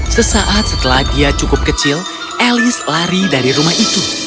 sesaat setelah dia cukup kecil elis lari dari rumah itu